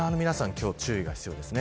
今日注意が必要です。